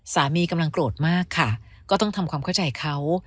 สามีกำลังโกรธมากค่ะก็ต้องทำความเข้าใจเขา